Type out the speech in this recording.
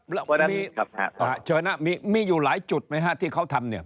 แล้ววันนี้เชิญนะมีมีอยู่หลายจุดไหมฮะที่เขาทำเนี่ย